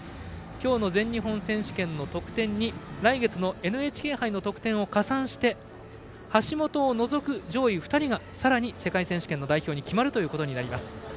今日の全日本選手権の得点に来月のＮＨＫ杯の得点を加算して橋本を除く上位２人がさらに世界選手権の代表に決まるということになります。